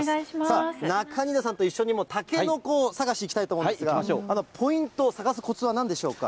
さあ、中新田さんと一緒にタケノコ探しにいきたいと思うんですが、ポイント、探すこつはなんでしょうか。